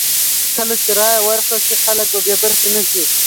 کله چې رایه ورکړل شي، خلک به بې برخې نه شي.